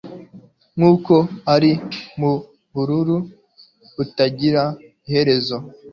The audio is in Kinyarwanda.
Nkuko ari mubururu butagira iherezo